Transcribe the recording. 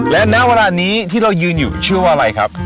และณเวลานี้ที่เรายืนอยู่ชื่อว่าอะไรครับ